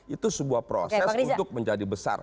itu sebuah proses untuk menjadi besar